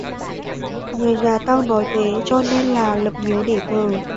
Người nhà tao nói thế cho nên là lập miếu để thờ